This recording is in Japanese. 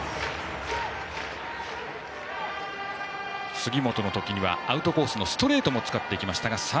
杉本の時にはアウトコースのストレートも使ってきましたが。